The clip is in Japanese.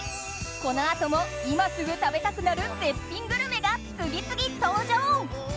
このあとも今すぐ食べたくなる絶品グルメが次々登場！